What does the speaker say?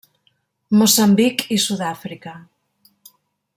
Moçambic i Sud-àfrica.